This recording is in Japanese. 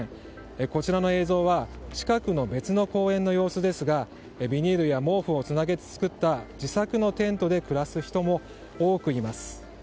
こちらの映像は近くの別の公園の様子ですがビニールや毛布をつなげて作った自作のテントで暮らす人も多くいます。